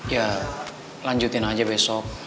ya lanjutin aja besok